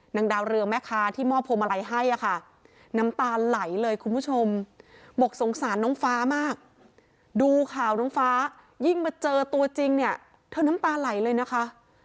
ดาวเรืองแม่ค้าที่มอบพวงมาลัยให้ค่ะน้ำตาไหลเลยคุณผู้ชมบอกสงสารน้องฟ้ามากดูข่าวน้องฟ้ายิ่งมาเจอตัวจริงเนี่ยเธอน้ำตาไหลเลยนะคะ